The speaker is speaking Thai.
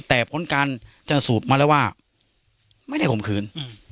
แต่ผลการจนสูตรมาแล้วว่าไม่ได้ข่มขืน